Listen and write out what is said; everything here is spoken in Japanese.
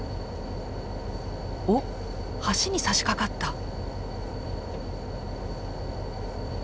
お橋にさしかかった。